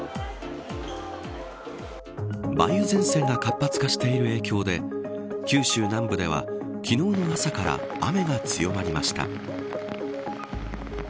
梅雨前線が活発化している影響で九州南部では昨日の朝から雨が強まりました。